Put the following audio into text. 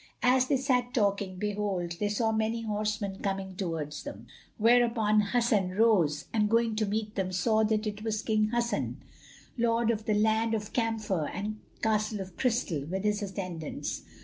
As they sat talking, behold, they saw many horsemen coming towards them, whereupon Hasan rose and going to meet them, saw that it was King Hassun, lord of the Land of Camphor and Castle of Crystal, with his attendants.